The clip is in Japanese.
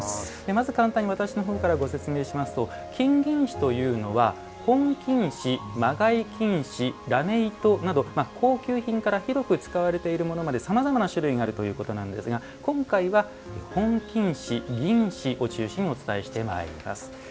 まず簡単に私の方からご説明しますと金銀糸というのは本金糸、紛い金糸ラメ糸など高級品から広く使われているものまでさまざまな種類があるということなんですが今回は本金糸、銀糸を中心にお伝えしていきます。